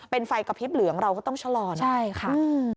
เป็นไฟกระพริบเหลืองเราก็ต้องชะลอนะใช่ค่ะ